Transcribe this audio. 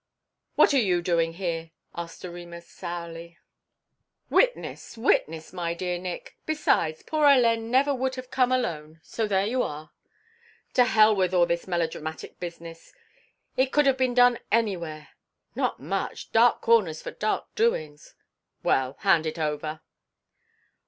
"What are you doing here?" asked Doremus sourly. "Witness, witness, my dear Nick. Besides, poor Hélène never would have come alone, so there you are." "To hell with all this melodramatic business. It could have been done anywhere " "Not much. Dark corners for dark doings." "Well, hand it over."